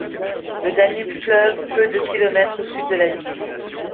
Le Danube fleuve peu de kilomètres au sud de la ville.